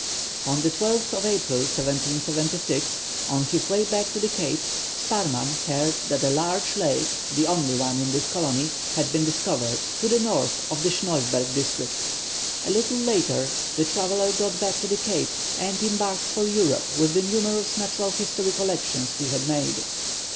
[Illustration: A Bosjeman. (Fac simile of early engraving.)] On the 12th of April, 1776, on his way back to the Cape, Sparrman heard that a large lake, the only one in the colony, had been discovered to the north of the Schneuwberg district. A little later, the traveller got back to the Cape, and embarked for Europe with the numerous natural history collections he had made.